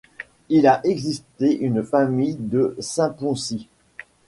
Il a existé une famille de Saint-Poncy.